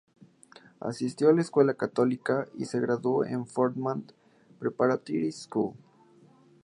Asistió a la escuela católica y se graduó en la Fordham Preparatory School.